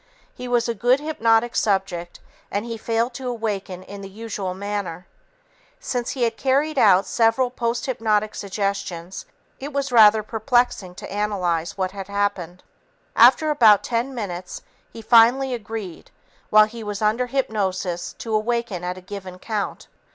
He was a good hypnotic subject, and he failed to awaken in the usual manner. Since he had carried out several posthypnotic suggestions, it was rather perplexing to analyze what had happened. After about ten minutes, he finally agreed while he was under hypnosis to awaken at a given count.